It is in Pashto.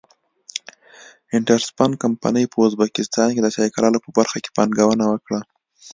انټرسپن کمپنۍ په ازبکستان کې د چای کرلو په برخه کې پانګونه وکړه.